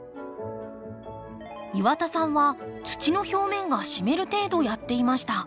岩田さんは土の表面が湿る程度やっていました。